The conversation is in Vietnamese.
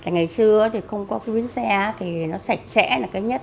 ngày xưa thì không có cái bến xe thì nó sạch sẽ là cái nhất